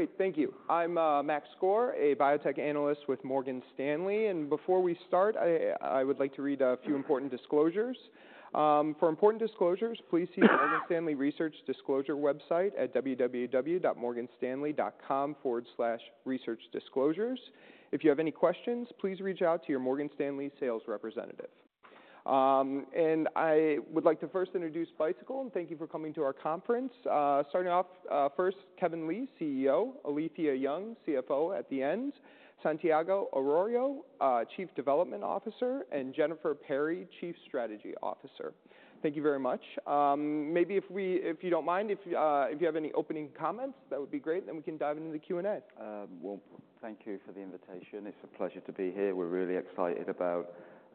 Great. Thank you. I'm Max Skor, a Biotech Analyst with Morgan Stanley. And before we start, I would like to read a few important disclosures. For important disclosures, please see the Morgan Stanley research disclosure website at www.morganstanley.com/researchdisclosures. If you have any questions, please reach out to your Morgan Stanley sales representative. And I would like to first introduce Bicycle, and thank you for coming to our conference. Starting off, first, Kevin Lee, CEO, Alethia Young, CFO, at the end, Santiago Arroyo, Chief Development Officer, and Jennifer Perry, Chief Strategy Officer. Thank you very much. Maybe if you don't mind, if you have any opening comments, that would be great, then we can dive into the Q&A. Well, thank you for the invitation. It's a pleasure to be here. We're really excited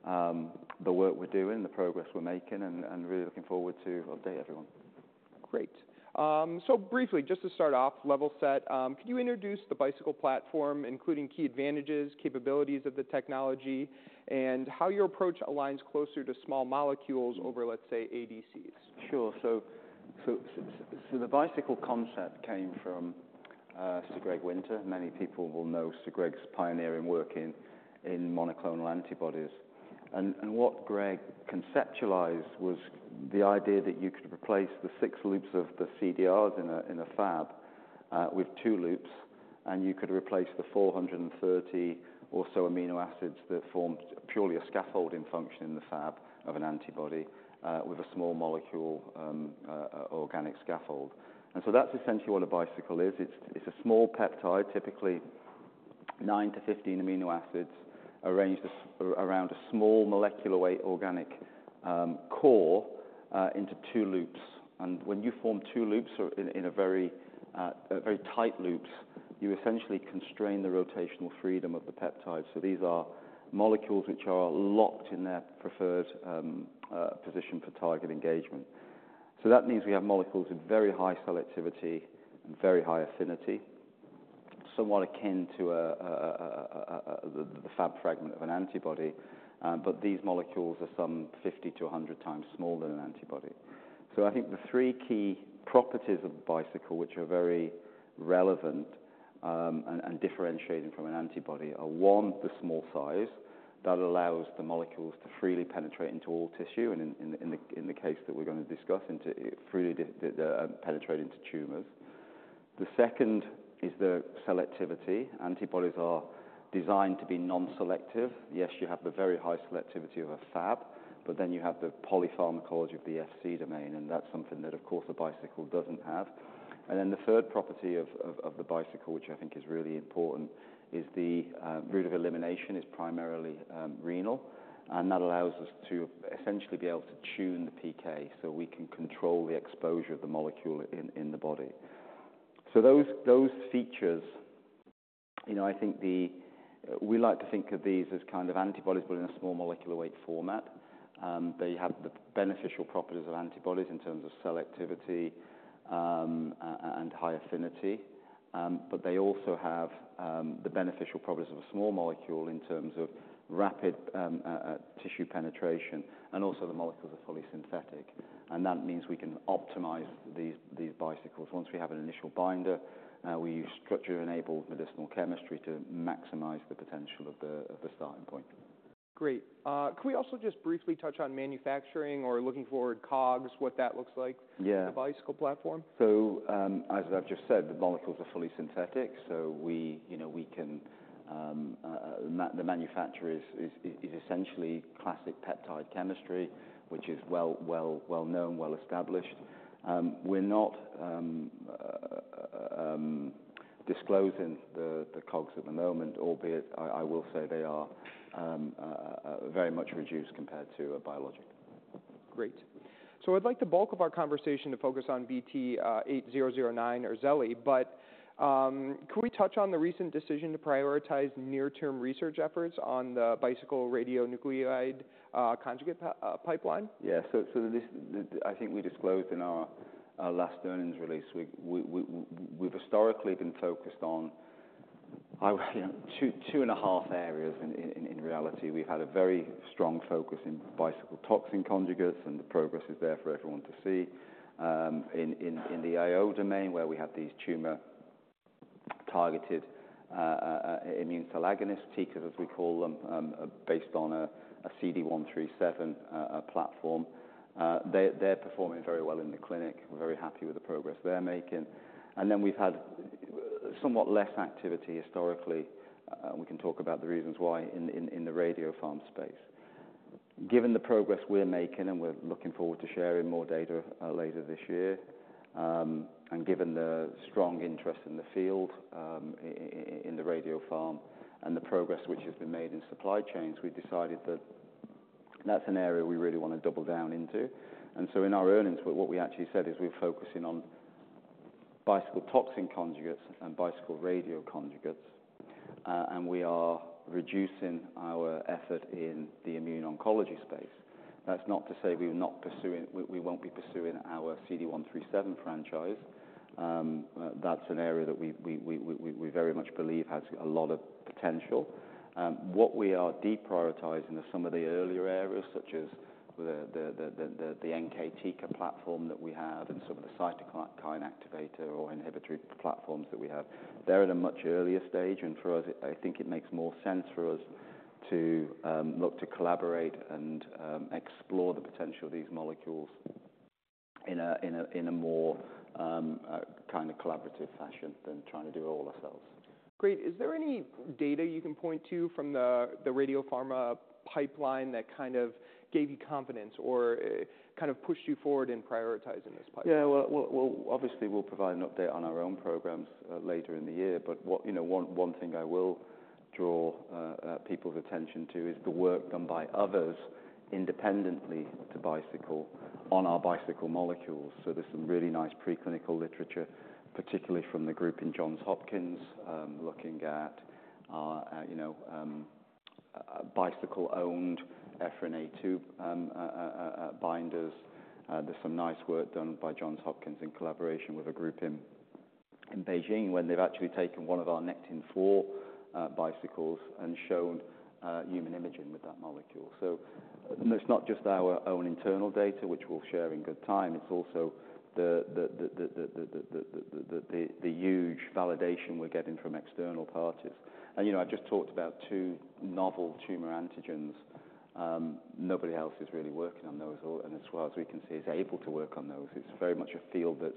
about the work we're doing, the progress we're making, and really looking forward to update everyone. Great. So briefly, just to start off, level set, could you introduce the Bicycle platform, including key advantages, capabilities of the technology, and how your approach aligns closer to small molecules over, let's say, ADCs? Sure. So the Bicycle concept came from Sir Greg Winter. Many people will know Sir Greg's pioneering work in monoclonal antibodies. And what Greg conceptualized was the idea that you could replace the six loops of the CDRs in a Fab with two loops, and you could replace the four hundred and thirty or so amino acids that formed purely a scaffolding function in the Fab of an antibody with a small molecule organic scaffold. And so that's essentially what a bicycle is. It's a small peptide, typically nine to fifteen amino acids, arranged around a small molecular weight organic core into two loops. And when you form two loops or in a very tight loops, you essentially constrain the rotational freedom of the peptide. These are molecules which are locked in their preferred position for target engagement. That means we have molecules with very high selectivity and very high affinity, somewhat akin to the Fab fragment of an antibody, but these molecules are some 50x-100x smaller than an antibody. I think the three key properties of Bicycle, which are very relevant and differentiating from an antibody, are one, the small size that allows the molecules to freely penetrate into all tissue, and in the case that we're going to discuss, into freely penetrate into tumors. The second is the selectivity. Antibodies are designed to be non-selective. Yes, you have the very high selectivity of a Fab, but then you have the polypharmacology of the Fc domain, and that's something that, of course, a bicycle doesn't have. And then the third property of the bicycle, which I think is really important, is the route of elimination is primarily renal, and that allows us to essentially be able to tune the PK so we can control the exposure of the molecule in the body. So those features, you know, I think the... We like to think of these as kind of antibodies, but in a small molecular weight format. They have the beneficial properties of antibodies in terms of selectivity, and high affinity, but they also have the beneficial properties of a small molecule in terms of rapid tissue penetration, and also, the molecules are fully synthetic, and that means we can optimize these bicycles. Once we have an initial binder, we use structure-enabled medicinal chemistry to maximize the potential of the starting point. Great. Can we also just briefly touch on manufacturing or looking forward COGS, what that looks like? Yeah. the Bicycle platform? As I've just said, the molecules are fully synthetic, so we, you know, we can, the manufacturer is essentially classic peptide chemistry, which is well known, well established. We're not disclosing the COGS at the moment, albeit I will say they are very much reduced compared to a biologic. Great. So I'd like the bulk of our conversation to focus on BT8009 or Zele, but could we touch on the recent decision to prioritize near-term research efforts on the Bicycle radionuclide conjugate pipeline? Yeah. So this—I think we disclosed in our last earnings release, we've historically been focused on, I would say, two and a half areas. In reality, we've had a very strong focus in Bicycle toxin conjugates, and the progress is there for everyone to see. In the IO domain, where we have these tumor-targeted immune cell agonists, TCAs, as we call them, based on a CD137 platform. They're performing very well in the clinic. We're very happy with the progress they're making. And then we've had somewhat less activity historically. We can talk about the reasons why in the radiopharm space. Given the progress we're making, and we're looking forward to sharing more data later this year, and given the strong interest in the field, in the radiopharm and the progress which has been made in supply chains, we've decided that that's an area we really want to double down into. And so in our earnings, what we actually said is we're focusing on Bicycle toxin conjugates and Bicycle radio conjugates, and we are reducing our effort in the immune oncology space. That's not to say we're not pursuing, we will be pursuing our CD137 franchise. That's an area that we very much believe has a lot of potential. What we are deprioritizing is some of the earlier areas, such as the NK-TICA platform that we have and some of the cytokine activator or inhibitory platforms that we have. They're at a much earlier stage, and for us, I think it makes more sense for us to look to collaborate and explore the potential of these molecules in a more kind of collaborative fashion than trying to do it all ourselves. Great. Is there any data you can point to from the radiopharma pipeline that kind of gave you confidence or, kind of pushed you forward in prioritizing this pipeline? Yeah, well, obviously, we'll provide an update on our own programs later in the year. But what... You know, one thing I will draw people's attention to is the work done by others independently to Bicycle on our Bicycle molecules. So there's some really nice preclinical literature, particularly from the group in Johns Hopkins, looking at, you know, Bicycle-owned EphA2 binders. There's some nice work done by Johns Hopkins in collaboration with a group in Beijing, where they've actually taken one of our Nectin-4 bicycles and shown human imaging with that molecule. So it's not just our own internal data, which we'll share in good time, it's also the huge validation we're getting from external parties. You know, I've just talked about two novel tumor antigens. Nobody else is really working on those, or, and as well as we can see, is able to work on those. It's very much a field that's,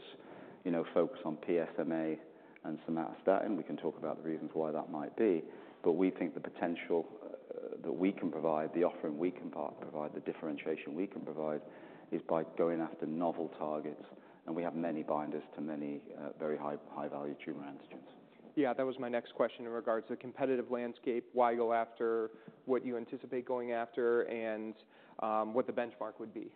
you know, focused on PSMA and somatostatin. We can talk about the reasons why that might be, but we think the potential that we can provide, the offering we can provide, the differentiation we can provide, is by going after novel targets. We have many binders to many very high-value tumor antigens. Yeah, that was my next question in regards to the competitive landscape, why go after what you anticipate going after, and what the benchmark would be?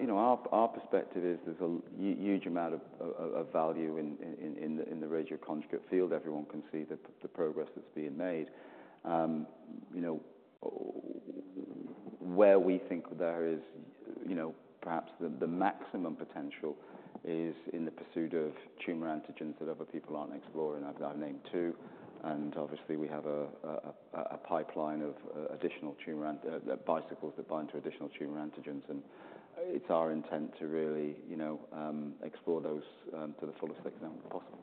You know, our perspective is there's a huge amount of value in the radio conjugate field. Everyone can see the progress that's being made. You know, where we think there is, you know, perhaps the maximum potential is in the pursuit of tumor antigens that other people aren't exploring. I've named two, and obviously, we have a pipeline of additional tumor antigen bicycles that bind to additional tumor antigens. It's our intent to really, you know, explore those to the fullest extent possible.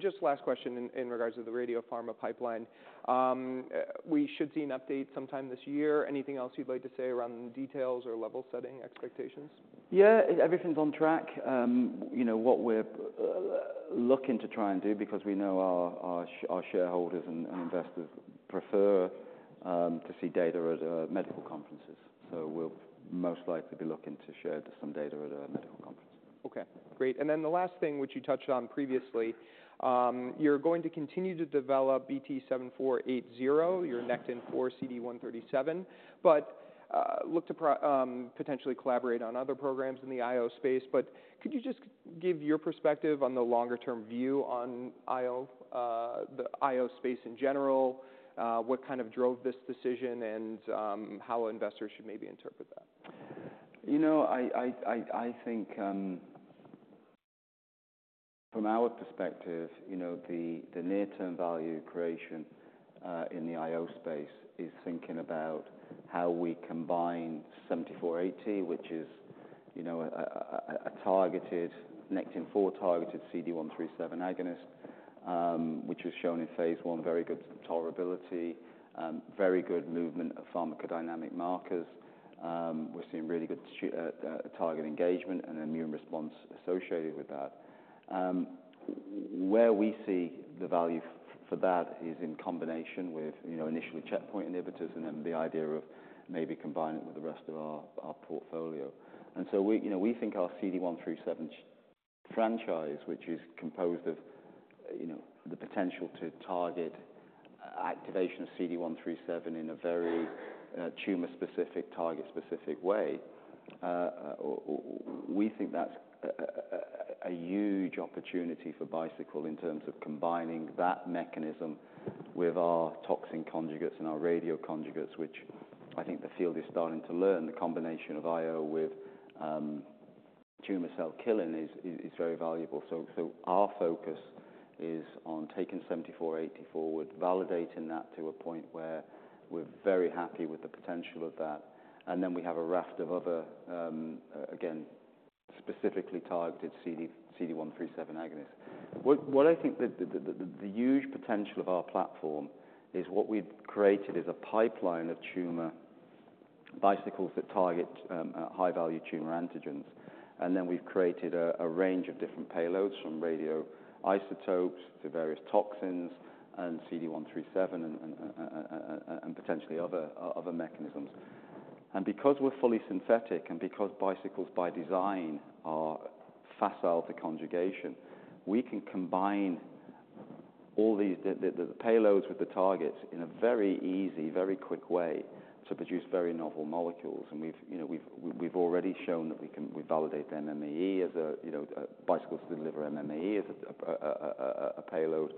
Just last question in regards to the radiopharma pipeline. We should see an update sometime this year. Anything else you'd like to say around the details or level-setting expectations? Yeah, everything's on track. You know, what we're looking to try and do, because we know our shareholders and investors prefer to see data at medical conferences, so we'll most likely be looking to share some data at a medical conference. Okay, great. And then the last thing, which you touched on previously, you're going to continue to develop BT7480, your Nectin-4 CD137, but look to potentially collaborate on other programs in the IO space. But could you just give your perspective on the longer-term view on IO, the IO space in general, what kind of drove this decision, and how investors should maybe interpret that? You know, I think from our perspective, you know, the near-term value creation in the IO space is thinking about how we combine 7480, which is, you know, a targeted Nectin-4 targeted CD137 agonist, which was shown in phase 1, very good tolerability, very good movement of pharmacodynamic markers. We're seeing really good target engagement and immune response associated with that. Where we see the value for that is in combination with, you know, initially checkpoint inhibitors and then the idea of maybe combining it with the rest of our portfolio. We, you know, we think our CD137 franchise, which is composed of, you know, the potential to target activation of CD137 in a very, tumor-specific, target-specific way, we think that's a huge opportunity for Bicycle in terms of combining that mechanism with our toxin conjugates and our radioconjugates, which I think the field is starting to learn. The combination of IO with tumor cell killing is very valuable. Our focus is on taking BT7480 forward, validating that to a point where we're very happy with the potential of that. We have a raft of other, again, specifically targeted CD137 agonists. What I think the huge potential of our platform is what we've created is a pipeline of tumor Bicycles that target high-value tumor antigens. And then we've created a range of different payloads, from radioisotopes to various toxins and CD137 and potentially other mechanisms. And because we're fully synthetic and because bicycles by design are facile to conjugation, we can combine all these payloads with the targets in a very easy, very quick way to produce very novel molecules. And we've, you know, already shown that we can. Bicycles deliver MMAE as a payload,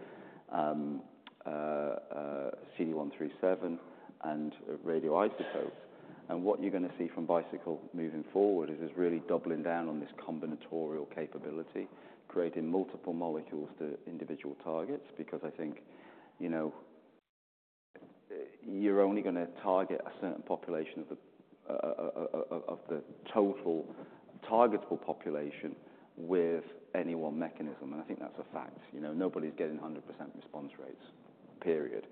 CD137 and a radioisotope. And what you're gonna see from Bicycle moving forward is really doubling down on this combinatorial capability, creating multiple molecules to individual targets. Because I think, you know, you're only gonna target a certain population of the total targetable population with any one mechanism, and I think that's a fact. You know, nobody's getting 100% response rates, period,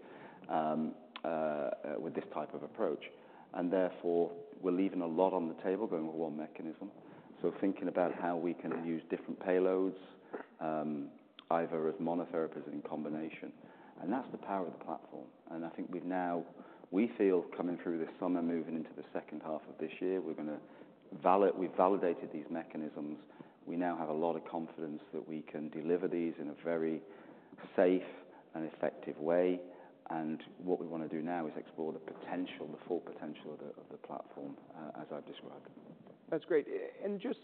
with this type of approach. And therefore, we're leaving a lot on the table going with one mechanism. So thinking about how we can use different payloads, either as monotherapies or in combination, and that's the power of the platform. And I think we've now, we feel coming through this summer, moving into the second half of this year, we're gonna valid, we've validated these mechanisms. We now have a lot of confidence that we can deliver these in a very safe and effective way. And what we wanna do now is explore the potential, the full potential of the platform, as I've described. That's great, and just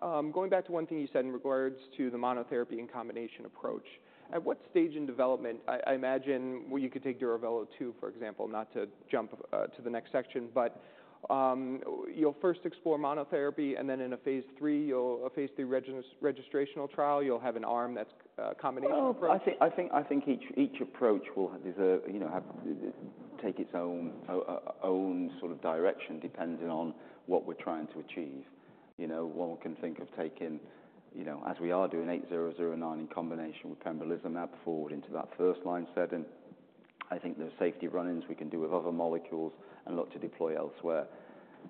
going back to one thing you said in regards to the monotherapy and combination approach. At what stage in development... I imagine, well, you could take Duravelo-2, for example, not to jump to the next section, but you'll first explore monotherapy, and then in a phase three, you'll have a phase three registrational trial, you'll have an arm that's a combination approach? I think each approach will deserve, you know, take its own sort of direction, depending on what we're trying to achieve. You know, one can think of taking, you know, as we are doing 8009 in combination with pembrolizumab forward into that first-line setting. I think there are safety run-ins we can do with other molecules and look to deploy elsewhere.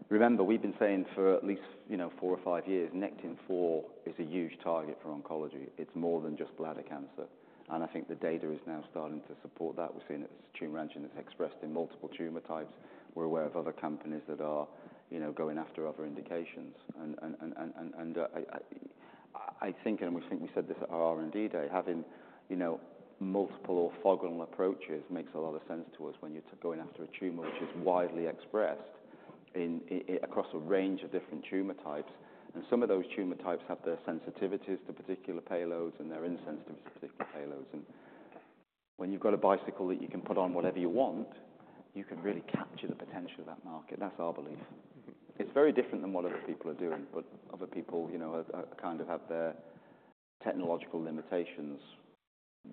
Remember, we've been saying for at least, you know, four or five years, nectin-4 is a huge target for oncology. It's more than just bladder cancer, and I think the data is now starting to support that. We've seen this tumor antigen, and it's expressed in multiple tumor types. We're aware of other companies that are, you know, going after other indications. We think we said this at our R&D Day. Having, you know, multiple orthogonal approaches makes a lot of sense to us when you're going after a tumor which is widely expressed across a range of different tumor types. And some of those tumor types have their sensitivities to particular payloads and their insensitivity to particular payloads. And when you've got a bicycle that you can put on whatever you want, you can really capture the potential of that market. That's our belief. It's very different than what other people are doing, but other people, you know, kind of have their technological limitations.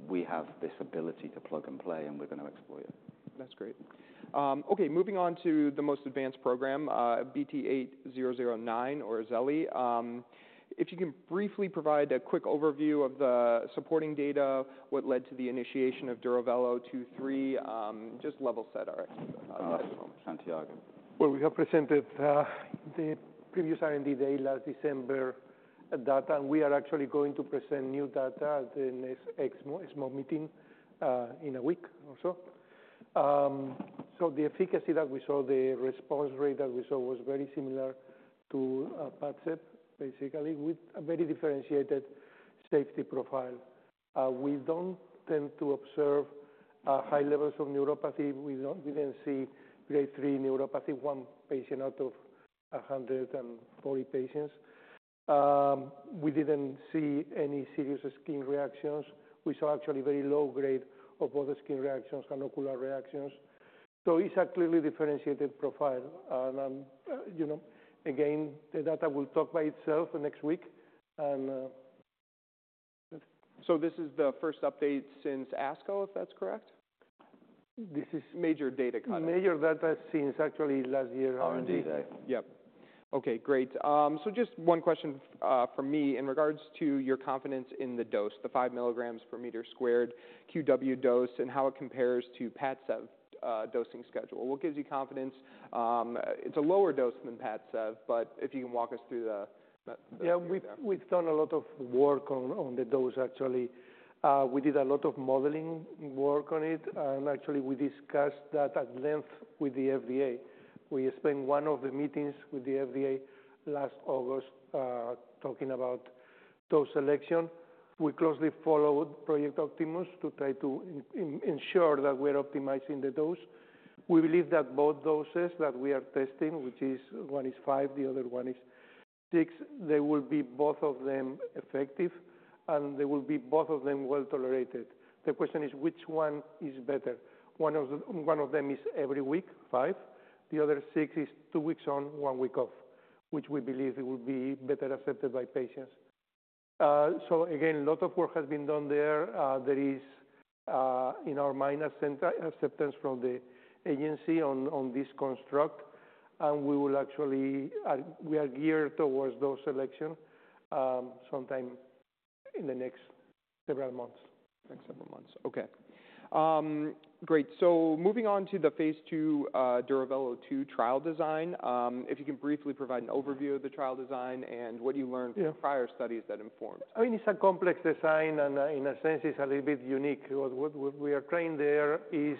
We have this ability to plug and play, and we're gonna explore it. That's great. Okay, moving on to the most advanced program, BT8009, or Zeli. If you can briefly provide a quick overview of the supporting data, what led to the initiation of Duravelo-2, just level set our expectation. Uh, Santiago. We have presented the previous R&D Day last December data, and we are actually going to present new data at the next ESMO meeting in a week or so. So the efficacy that we saw, the response rate that we saw was very similar to Padcev, basically, with a very differentiated safety profile. We don't tend to observe high levels of neuropathy. We didn't see grade three neuropathy, one patient out of 140 patients. We didn't see any serious skin reactions. We saw actually very low grade of other skin reactions and ocular reactions. So it's a clearly differentiated profile. You know, again, the data will talk by itself next week, and So this is the first update since ASCO, if that's correct? This is major data cut. Major data since actually last year, R&D Day. R&D Day. Yep. Okay, great. So just one question from me in regards to your confidence in the dose, the five milligrams per meter squared QW dose, and how it compares to Padcev dosing schedule. What gives you confidence? It's a lower dose than Padcev, but if you can walk us through the Yeah, we've done a lot of work on the dose, actually. We did a lot of modeling work on it, and actually, we discussed that at length with the FDA. We spent one of the meetings with the FDA last August, talking about dose selection. We closely followed Project Optimus to try to ensure that we're optimizing the dose. We believe that both doses that we are testing, which is one is five, the other one is six, they will be, both of them, effective, and they will be, both of them, well-tolerated. The question is, which one is better? One of them is every week, five. The other, six, is two weeks on, one week off, which we believe it will be better accepted by patients, so again, a lot of work has been done there. There is, in our mind, acceptance from the agency on this construct, and we will actually... we are geared towards dose selection sometime in the next several months. Next several months. Okay. Great. So moving on to the phase II, Duravelo-2 trial design. If you can briefly provide an overview of the trial design and what you learned- Yeah... from prior studies that informs. I mean, it's a complex design, and in a sense, it's a little bit unique. What we are trying there is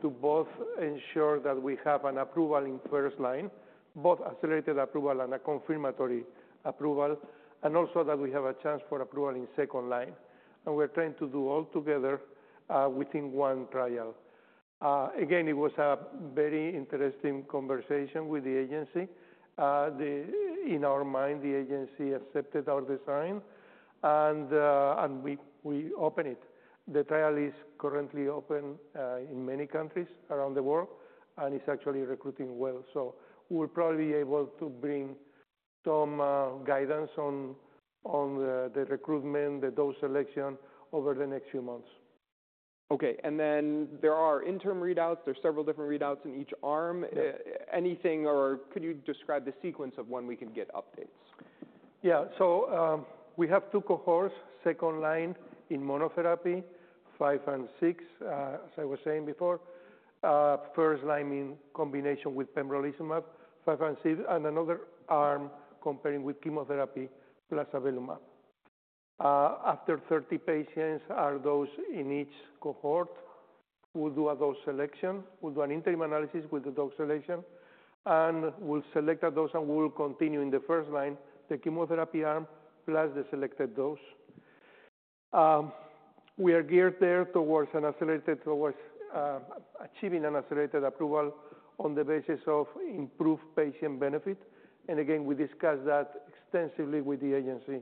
to both ensure that we have an approval in first line, both accelerated approval and a confirmatory approval, and also that we have a chance for approval in second-line, and we're trying to do all together within one trial. Again, it was a very interesting conversation with the agency. In our mind, the agency accepted our design, and we open it. The trial is currently open in many countries around the world, and it's actually recruiting well, so we'll probably be able to bring some guidance on the recruitment, the dose selection over the next few months. Okay, and then there are interim readouts. There are several different readouts in each arm. Yes. Anything? Or could you describe the sequence of when we can get updates? Yeah, so we have two cohorts, second line in monotherapy, five and six, as I was saying before. First line in combination with pembrolizumab, five and six, and another arm comparing with chemotherapy plus avelumab. After thirty patients are dosed in each cohort, we'll do a dose selection. We'll do an interim analysis with the dose selection, and we'll select a dose, and we will continue in the first line, the chemotherapy arm, plus the selected dose. We are geared there towards achieving an accelerated approval on the basis of improved patient benefit, and again we discussed that extensively with the agency.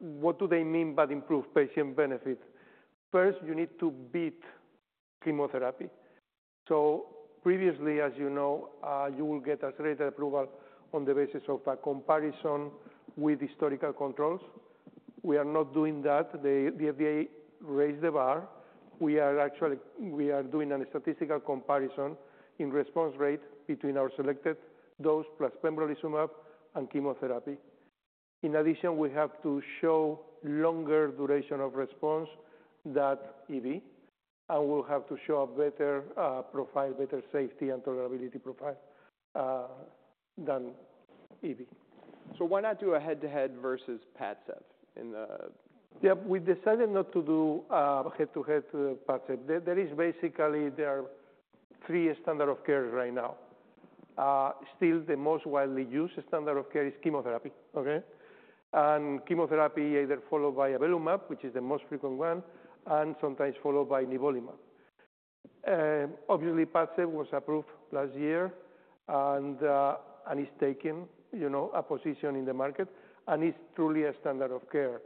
What do they mean by improved patient benefit? First, you need to beat chemotherapy. So previously, as you know, you will get accelerated approval on the basis of a comparison with historical controls. We are not doing that. The FDA raised the bar. We are actually doing a statistical comparison in response rate between our selected dose, plus pembrolizumab and chemotherapy. In addition, we have to show longer duration of response than EV, and we'll have to show a better profile, better safety and tolerability profile than EV. So why not do a head-to-head versus PADCEV in the? Yeah, we decided not to do a head-to-head to PADCEV. There is basically three standard of care right now. Still, the most widely used standard of care is chemotherapy, okay? And chemotherapy either followed by avelumab, which is the most frequent one, and sometimes followed by nivolumab. And obviously, PADCEV was approved last year, and it's taking, you know, a position in the market, and it's truly a standard of care.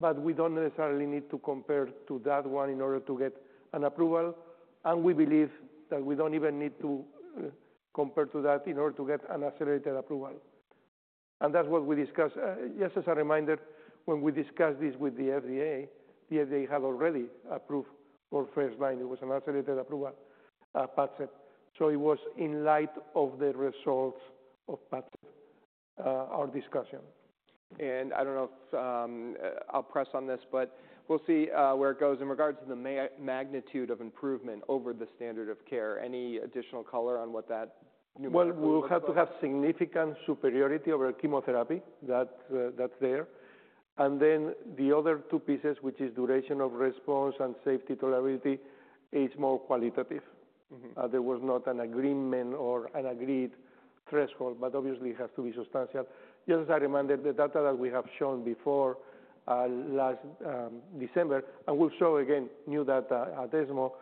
But we don't necessarily need to compare to that one in order to get an approval, and we believe that we don't even need to compare to that in order to get an accelerated approval. And that's what we discussed. Just as a reminder, when we discussed this with the FDA, the FDA had already approved for first line. It was an accelerated approval, PADCEV. So it was in light of the results of PADCEV, our discussion. And I don't know if I'll press on this, but we'll see where it goes. In regards to the magnitude of improvement over the standard of care, any additional color on what that numerically looks like? We'll have to have significant superiority over chemotherapy. That's there. And then the other two pieces, which is duration of response and safety tolerability, is more qualitative. Mm-hmm. There was not an agreement or an agreed threshold, but obviously it has to be substantial. Just as a reminder, the data that we have shown before, last December, and we'll show again, new data at ESMO,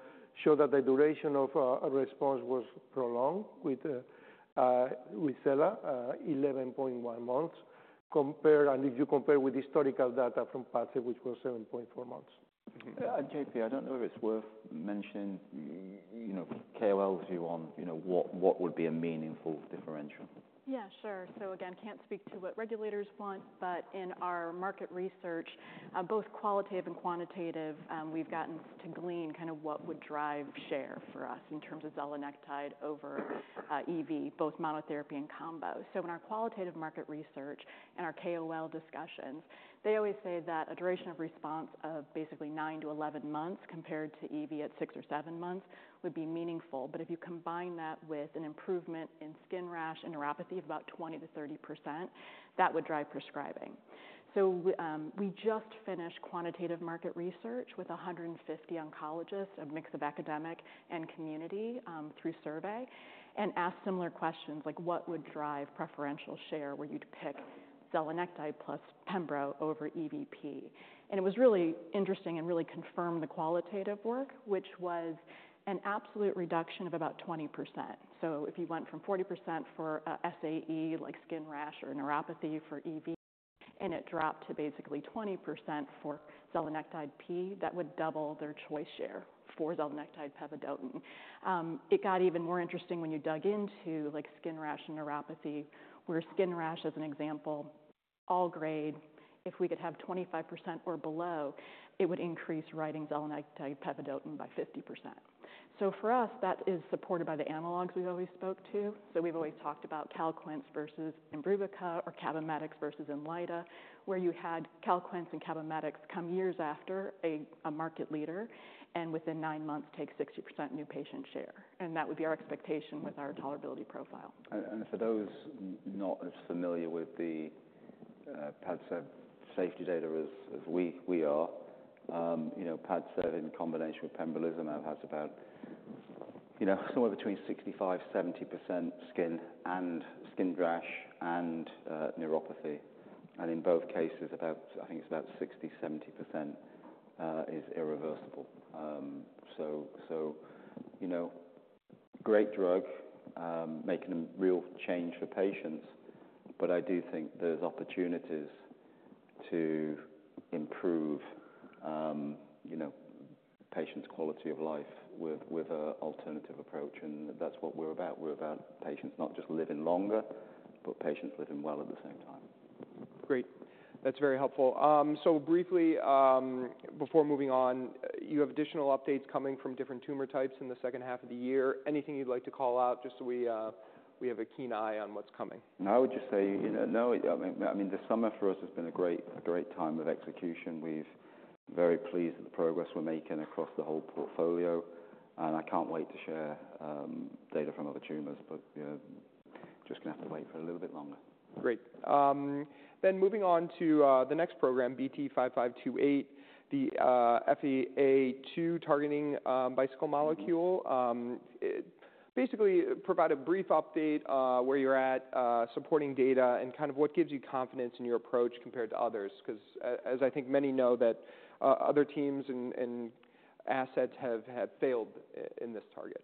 show that the duration of a response was prolonged with Zeli, 11.1 months, compared. And if you compare with historical data from PADCEV, which was 7.4 months. Mm-hmm. JP, I don't know if it's worth mentioning, you know, KOL's view on, you know, what would be a meaningful differential? Yeah, sure. So again, can't speak to what regulators want, but in our market research, both qualitative and quantitative, we've gotten to glean kind of what would drive share for us in terms of zelenectide over EV, both monotherapy and combo. So in our qualitative market research and our KOL discussions, they always say that a duration of response of basically nine to eleven months compared to EV at six or seven months would be meaningful. But if you combine that with an improvement in skin rash and neuropathy of about 20%-30%, that would drive prescribing. So, we just finished quantitative market research with 150 oncologists, a mix of academic and community, through survey, and asked similar questions like: What would drive preferential share where you'd pick zelenectide plus pembro over EVP? It was really interesting and really confirmed the qualitative work, which was an absolute reduction of about 20%. So if you went from 40% for SAE, like skin rash or neuropathy for EV, and it dropped to basically 20% for zelenectide pevedotin, that would double their choice share for zelenectide pevedotin. It got even more interesting when you dug into, like, skin rash and neuropathy, where skin rash, as an example, all grade, if we could have 25% or below, it would increase writing zelenectide pevedotin by 50%. So for us, that is supported by the analogs we've always spoke to. So we've always talked about Calquence versus Imbruvica or Cabometyx versus Inlyta, where you had Calquence and Cabometyx come years after a market leader, and within nine months, take 60% new patient share. And that would be our expectation. Mm-hmm. with our tolerability profile. For those not as familiar with the Padcev safety data as we are, you know, Padcev in combination with pembrolizumab has about, you know, somewhere between 65%-70% skin rash and neuropathy. And in both cases, about, I think it's about 60%-70% is irreversible. So, you know, great drug, making a real change for patients, but I do think there's opportunities to improve, you know, patients' quality of life with a alternative approach, and that's what we're about. We're about patients not just living longer, but patients living well at the same time. Great. That's very helpful, so briefly, before moving on, you have additional updates coming from different tumor types in the second half of the year. Anything you'd like to call out, just so we, we have a keen eye on what's coming? No, I would just say, you know, no, I mean, I mean, the summer for us has been a great, a great time of execution. We've very pleased with the progress we're making across the whole portfolio, and I can't wait to share data from other tumors, but, you know, just gonna have to wait for a little bit longer. Great. Then moving on to the next program, BT5528, the EphA2 targeting Bicycle molecule. Mm-hmm. Basically, provide a brief update where you're at, supporting data and kind of what gives you confidence in your approach compared to others, because as I think many know that other teams and assets have failed in this target.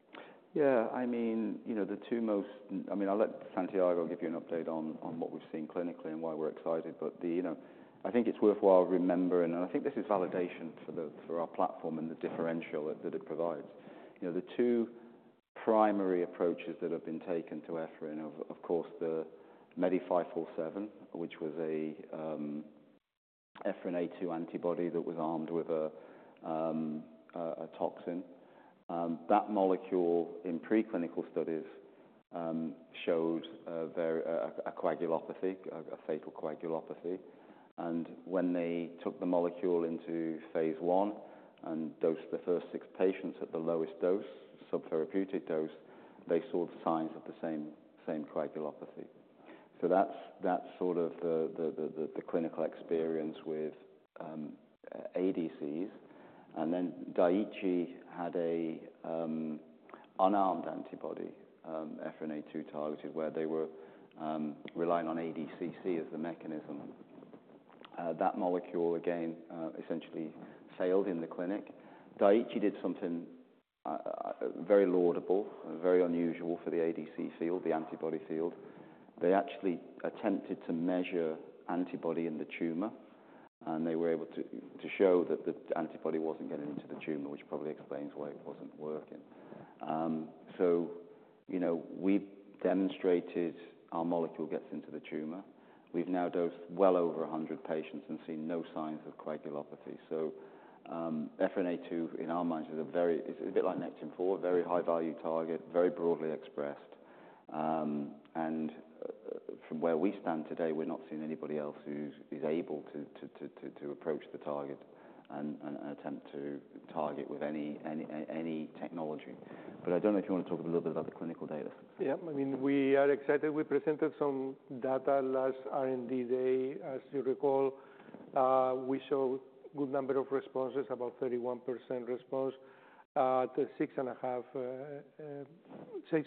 Yeah, I mean, you know, the two most... I mean, I'll let Santiago give you an update on what we've seen clinically and why we're excited. But you know, I think it's worthwhile remembering, and I think this is validation for our platform and the differential that it provides. You know, the two primary approaches that have been taken to EphA2 are, of course, the MEDI547, which was a EphA2 antibody that was armed with a toxin. That molecule in preclinical studies showed a very fatal coagulopathy. And when they took the molecule into phase one and dosed the first six patients at the lowest dose, subtherapeutic dose, they saw signs of the same coagulopathy. So that's sort of the clinical experience with ADCs. Then Daiichi had an unarmed antibody, EphA2 targeted, where they were relying on ADCC as the mechanism. That molecule, again, essentially failed in the clinic. Daiichi did something very laudable and very unusual for the ADC field, the antibody field. They actually attempted to measure antibody in the tumor, and they were able to show that the antibody wasn't getting into the tumor, which probably explains why it wasn't working. So you know, we've demonstrated our molecule gets into the tumor. We've now dosed well over 100 patients and seen no signs of coagulopathy. EphA2, in our minds, is a very... It's a bit like Nectin-4, very high-value target, very broadly expressed. And from where we stand today, we're not seeing anybody else who is able to approach the target and attempt to target with any technology. But I don't know if you want to talk a little bit about the clinical data. Yeah. I mean, we are excited. We presented some data last R&D day, as you recall. We saw good number of responses, about 31% response to 6.5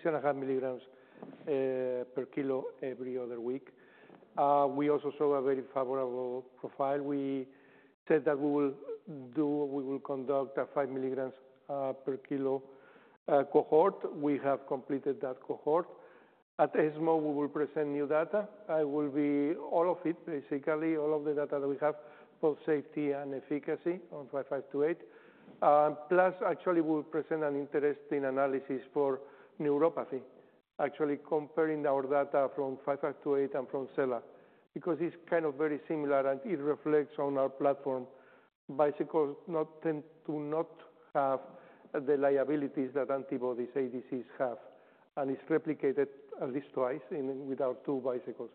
mg per kilo every other week. We also saw a very favorable profile. We said that we will do, we will conduct a 5 milligrams per kilo cohort. We have completed that cohort. At ESMO, we will present new data. It will be all of it, basically, all of the data that we have, both safety and efficacy on BT5528. Plus, actually, we'll present an interesting analysis for neuropathy, actually comparing our data from BT5528 and from Zeli, because it's kind of very similar, and it reflects on our platform. Bicycles not tend to not have the liabilities that antibodies ADCs have, and it's replicated at least twice with our two bicycles.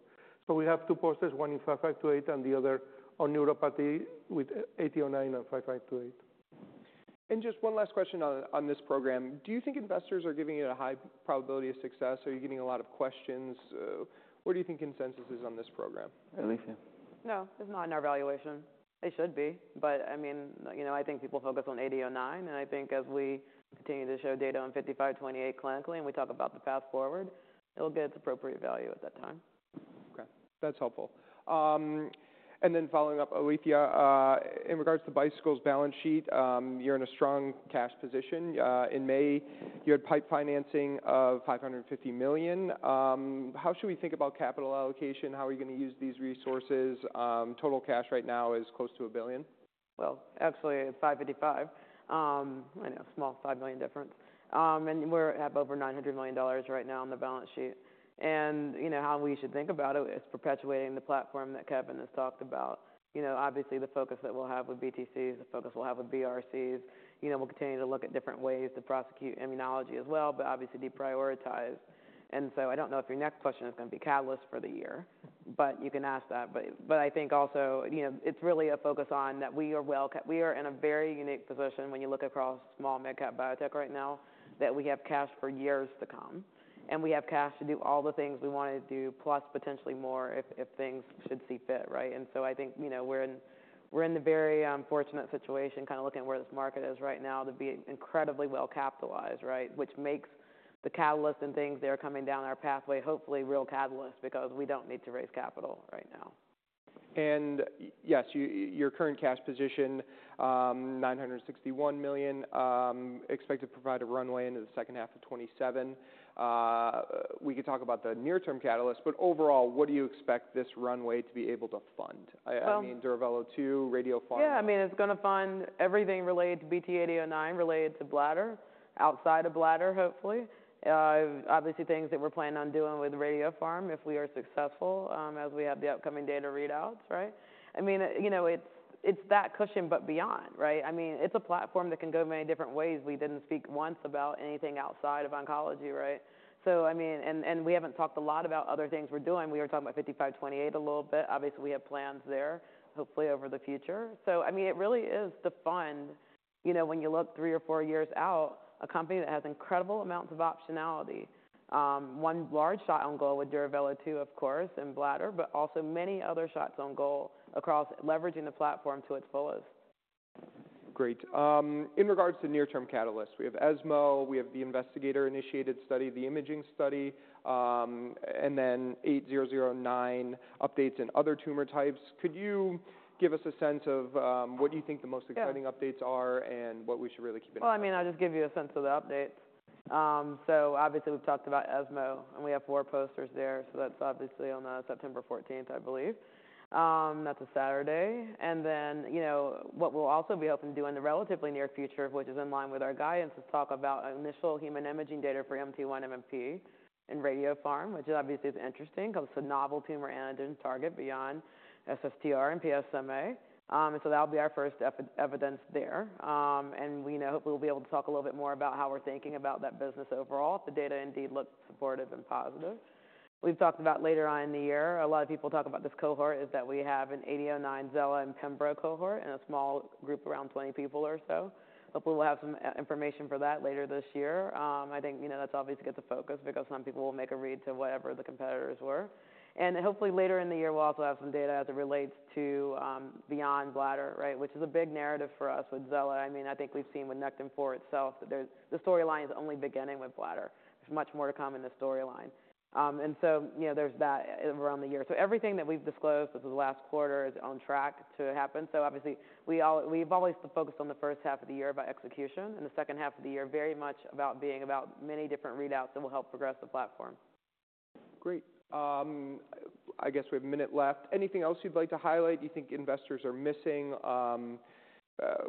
So we have two posters, one in BT5528 and the other on neuropathy with BT8009 and BT5528. And just one last question on this program: Do you think investors are giving you a high probability of success? Are you getting a lot of questions? What do you think consensus is on this program? Alethea? No, it's not in our valuation. It should be, but I mean, you know, I think people focus on 8009, and I think as we continue to show data on 5528 clinically and we talk about the path forward, it'll get its appropriate value at that time. Okay, that's helpful. And then following up, Alethia, in regards to Bicycle's balance sheet, you're in a strong cash position. In May, you had PIPE financing of $550 million. How should we think about capital allocation? How are you gonna use these resources? Total cash right now is close to $1 billion. Absolutely, it's $555 million. I know, small $5 million difference. And we're at over $900 million right now on the balance sheet. And you know how we should think about it, it's perpetuating the platform that Kevin has talked about. You know, obviously, the focus that we'll have with BTCs, the focus we'll have with BRCs, you know, we'll continue to look at different ways to prosecute immunology as well, but obviously deprioritize. And so I don't know if your next question is gonna be catalyst for the year, but you can ask that. But I think also, you know, it's really a focus on that we are in a very unique position when you look across small mid-cap biotech right now, that we have cash for years to come, and we have cash to do all the things we wanna do, plus potentially more if things should see fit, right? And so I think, you know, we're in the very fortunate situation, kinda looking at where this market is right now, to be incredibly well capitalized, right? Which makes the catalyst and things that are coming down our pathway, hopefully real catalyst, because we don't need to raise capital right now. And yes, your current cash position, $961 million, expected to provide a runway into the second half of 2027. We could talk about the near-term catalyst, but overall, what do you expect this runway to be able to fund? Well- I mean, Duravelo-2, radiopharm. Yeah, I mean, it's gonna fund everything related to BT8009, related to bladder, outside of bladder, hopefully. Obviously, things that we're planning on doing with Radiopharm, if we are successful, as we have the upcoming data readouts, right? I mean, you know, it's that cushion, but beyond, right? I mean, it's a platform that can go many different ways. We didn't speak once about anything outside of oncology, right? So I mean, and we haven't talked a lot about other things we're doing. We were talking about BT5528 a little bit. Obviously, we have plans there, hopefully over the future. So I mean, it really is to fund, you know, when you look three or four years out, a company that has incredible amounts of optionality. One large shot on goal with Duravelo-2, of course, in bladder, but also many other shots on goal across leveraging the platform to its fullest. Great. In regards to near-term catalysts, we have ESMO, we have the investigator-initiated study, the imaging study, and then 8009 updates in other tumor types. Could you give us a sense of what you think the most- Yeah... exciting updates are and what we should really keep an eye on? I mean, I'll just give you a sense of the update. So obviously, we've talked about ESMO, and we have four posters there, so that's obviously on September fourteenth, I believe. That's a Saturday. Then, you know, what we'll also be hoping to do in the relatively near future, which is in line with our guidance, is talk about initial human imaging data for MT1-MMP in radiopharm, which obviously is interesting, because it's a novel tumor antigen target beyond SSTR and PSMA. So that'll be our first evidence there. And, you know, we'll be able to talk a little bit more about how we're thinking about that business overall, if the data indeed looks supportive and positive. We've talked about later on in the year, a lot of people talk about this cohort, is that we have a BT8009 Zele and Pembrolizumab cohort and a small group, around 20 people or so. Hopefully, we'll have some efficacy information for that later this year. I think, you know, that's obviously get the focus because some people will make a read to whatever the competitors were. And hopefully later in the year, we'll also have some data as it relates to beyond bladder, right? Which is a big narrative for us with Zele. I mean, I think we've seen with Nectin-4 itself, that there's the storyline is only beginning with bladder. There's much more to come in the storyline. And so, you know, there's that around the year. Everything that we've disclosed for the last quarter is on track to happen. So obviously, we've always focused on the first half of the year about execution, and the second half of the year, very much about many different readouts that will help progress the platform. Great. I guess we have a minute left. Anything else you'd like to highlight, you think investors are missing?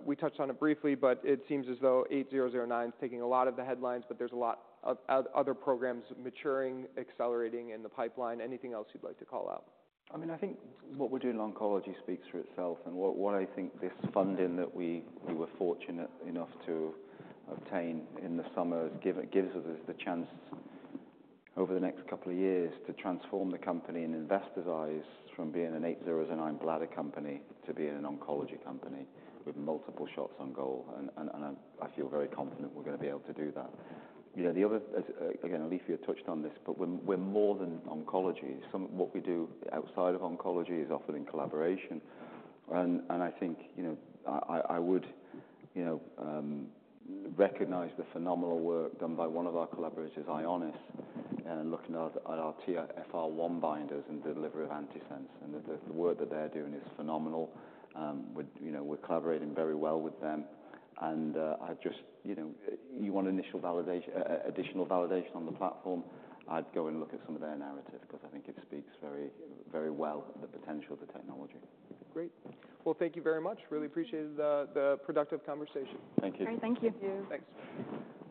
We touched on it briefly, but it seems as though BT8009 is taking a lot of the headlines, but there's a lot of other programs maturing, accelerating in the pipeline. Anything else you'd like to call out? I mean, I think what we're doing in oncology speaks for itself. And what I think this funding that we were fortunate enough to obtain in the summer gives us the chance over the next couple of years to transform the company in investors' eyes from being an 8009 bladder company to being an oncology company with multiple shots on goal, and I feel very confident we're going to be able to do that. You know, the other, again, Alethia touched on this, but we're more than oncology. Some of what we do outside of oncology is often in collaboration. And I think, you know, I would, you know, recognize the phenomenal work done by one of our collaborators, Ionis, looking at our TFR1 binders and delivery of antisense. The work that they're doing is phenomenal. We're, you know, we're collaborating very well with them, and I just, you know, you want initial validation, additional validation on the platform. I'd go and look at some of their narrative because I think it speaks very, very well of the potential of the technology. Great. Well, thank you very much. Really appreciated the productive conversation. Thank you. Great, thank you. Thank you. Thanks.